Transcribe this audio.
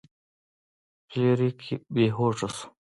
فلیریک بې هوښه شو.